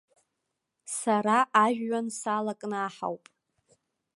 Сара ажәҩан салакнаҳауп.